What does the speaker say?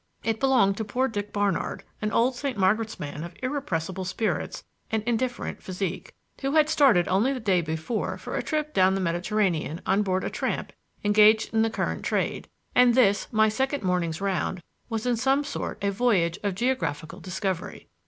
It belonged to poor Dick Barnard, an old St. Margaret's man of irrepressible spirits and indifferent physique, who had started only the day before for a trip down the Mediterranean on board a tramp engaged in the currant trade; and this, my second morning's round, was in some sort a voyage of geographical discovery.